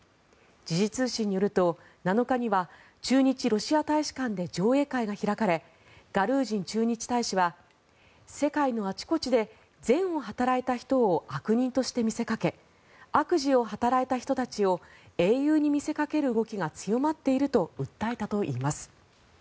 時事通信によると７日には駐日ロシア大使館で上映会が開かれガルージン駐日大使は世界のあちこちで善を働いた人を悪人として見せかけ悪事を働いた人たちを英雄に見せかける動きが強まっていると訴えたといいます。